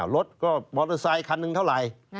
รถก็มอเตอร์ไซคันหนึ่งเท่าไหร่